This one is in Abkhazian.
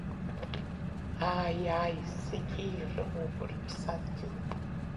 Ааи, ааи, зегьы ирымоуп рыԥсадгьыл!